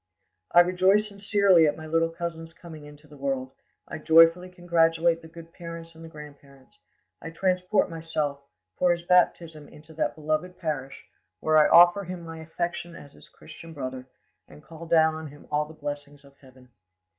"I rejoice sincerely at my little cousin's coming into the world; I joyfully congratulate the good parents and the grandparents; I transport myself, for his baptism, into that beloved parish, where I offer him my affection as his Christian brother, and call down on him all the blessings of heaven.